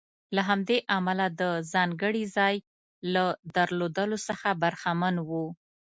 له همدې امله د ځانګړي ځای له درلودلو څخه برخمن و.